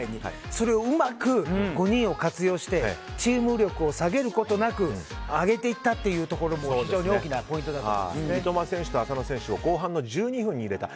それをうまく５人を活用してチーム力を下げることなく上げていったというところも非常に大きなポイントだと三笘選手と浅野選手を後半の１２分に入れた。